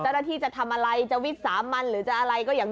เจ้าหน้าที่จะทำอะไรจะวิสามันหรือจะอะไรก็อย่าง